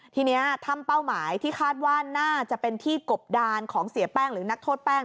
ทีนี้ถ้ำเป้าหมายที่คาดว่าน่าจะเป็นที่กบดานของเสียแป้งหรือนักโทษแป้ง